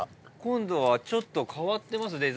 今度はちょっと変わってます